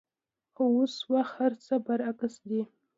خو اوس وخت هرڅه برعکس دي.